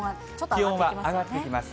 気温は上がってきます。